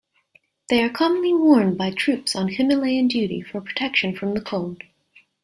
They are commonly worn by troops on Himalayan duty for protection from the cold.